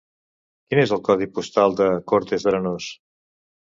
Quin és el codi postal de Cortes d'Arenós?